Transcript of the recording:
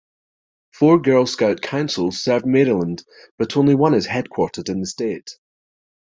Four Girl Scout Councils serve Maryland but only one is headquartered in the state.